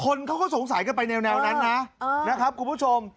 คนเขาก็สงสัยกันไปแนวนั้นนะนะครับคุณผู้ชม